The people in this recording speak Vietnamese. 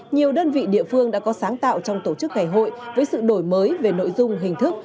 nhiều đơn vị địa phương đã có sáng tạo trong tổ chức ngày hội với sự đổi mới về nội dung hình thức